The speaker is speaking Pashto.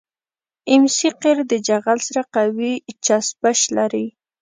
ام سي قیر د جغل سره قوي چسپش لري